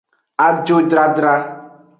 Ajodradra.